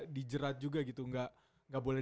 dijerat juga gitu enggak boleh